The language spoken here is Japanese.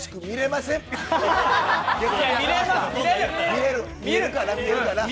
見れるかな？